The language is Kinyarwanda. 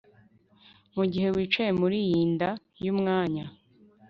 mugihe wicaye muriyi nda yumwanya